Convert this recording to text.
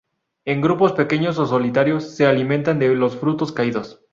En grupos pequeños o solitarios se alimentan de los frutos caídos.